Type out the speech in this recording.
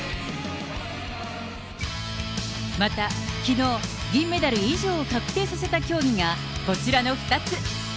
また、きのう、銀メダル以上を確定させた競技が、こちらの２つ。